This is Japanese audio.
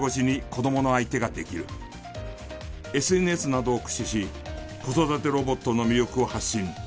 ＳＮＳなどを駆使し子育てロボットの魅力を発信。